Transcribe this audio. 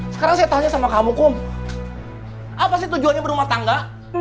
sekarang saya tanya sama kamuku apa sih tujuannya berumah tangga